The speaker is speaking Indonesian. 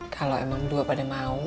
kalau emang dua pada mau